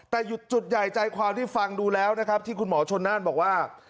แต่จุดใหญ่ใจความที่ฟังดูแล้วนะครับที่คุณหมอชนน่านบอกว่า